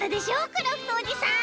クラフトおじさん！